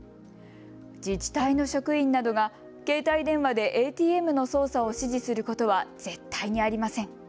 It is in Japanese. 自治体の職員などが携帯電話でＡＴＭの操作を指示することは絶対にありません。